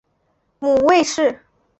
母魏氏。